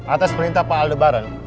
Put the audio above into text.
atas perintah pak aldebaran